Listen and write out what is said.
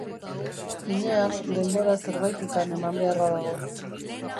Finean, denbora zerbaitetan eman beharra dago.